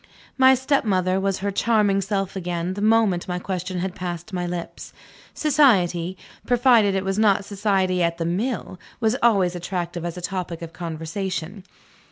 My stepmother was her charming self again the moment my question had passed my lips. Society provided it was not society at the mill was always attractive as a topic of conversation.